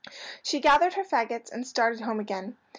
She gathered her fagots and started home again.